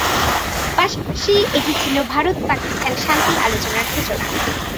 পাশাপাশি এটি ছিল ভারত পাকিস্তান শান্তি আলোচনার সূচনা।